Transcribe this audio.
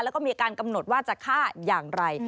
แล้วก็มีการกำหนดว่าจะฆ่าอย่างไร